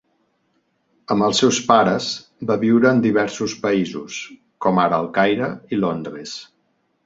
Amb els seus pares, va viure en diversos països, com ara el Caire i Londres.